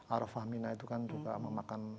arofah mina itu kan juga memakan